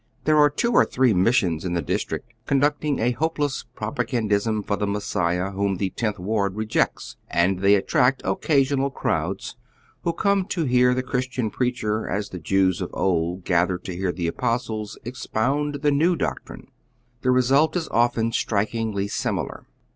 There are two or three missions in the district conducting a hopeless prop agandism for the Messiaii whom the Tenth Ward re jects, and they attract occasional crowds, who come to hear the Christian preacher as the Jews of old gathered to hear the apostles expound tlie new doctrine. The re sult is often strikingly similar.